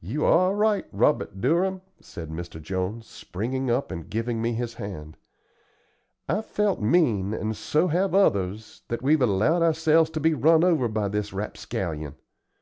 "You are right, Robert Durham!" said Mr. Jones, springing up and giving me his hand. "I've felt mean, and so have others, that we've allowed ourselves to be run over by this rapscallion.